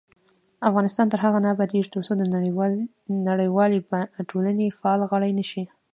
افغانستان تر هغو نه ابادیږي، ترڅو د نړیوالې ټولنې فعال غړي نشو.